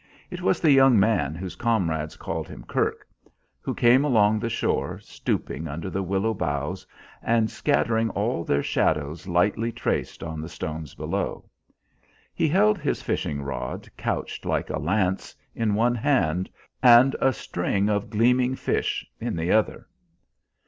It was the young man whose comrades called him Kirk, who came along the shore, stooping under the willow boughs and scattering all their shadows lightly traced on the stones below. He held his fishing rod, couched like a lance, in one hand, and a string of gleaming fish in the other.